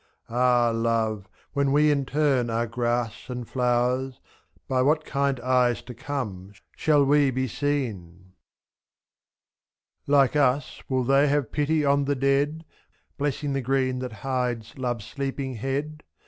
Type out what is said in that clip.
^^ Ah ! love, when we in turn are grass and flowers, By what kind eyes to come shall we be seen? Like us, will they have pity on the dead. Blessing the green that hides love's sleeping head, ^5.